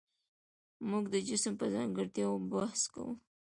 موږ د جسم په ځانګړتیاوو بحث کوو.